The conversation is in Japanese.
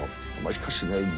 しかしね